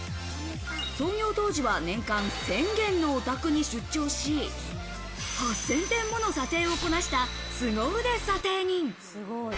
創業当時は年間１０００軒のお宅に出張し、８０００点もの査定をこなした凄腕査定人。